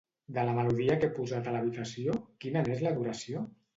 De la melodia que he posat a l'habitació, quina n'és la duració?